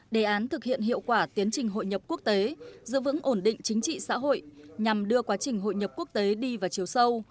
đề án thực hiện hiệu quả tiến trình hội nhập quốc tế giữ vững ổn định chính trị xã hội nhằm đưa quá trình hội nhập quốc tế đi vào chiều sâu